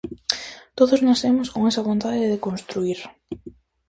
Todos nacemos con esa vontade de construír.